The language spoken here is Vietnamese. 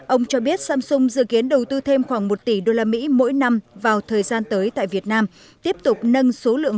ông cho biết samsung dự kiến đầu tư thêm khoảng một tỷ usd mỗi năm vào thời gian tới tại việt nam tiếp tục nâng số lượng